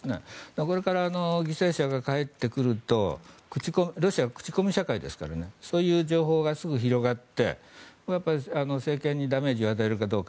これから犠牲者が帰ってくるとロシアは口コミ社会ですからそういう情報がすぐに広がって政権にダメージを与えるかどうか。